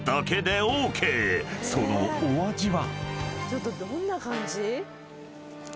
［そのお味は？］